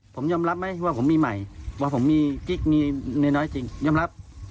ผมยอมรับไหมว่าผมมีใหม่ว่าผมมีกิ๊กมีเมียน้อยจริงยอมรับ